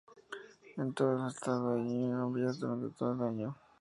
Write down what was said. En todo el estado hay lluvias durante todo el año.